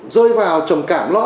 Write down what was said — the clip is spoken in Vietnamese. rơi vào trầm cảm lỗ